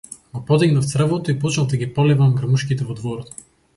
Го подигнав цревото и почнав да ги полевам грмушките во дворот.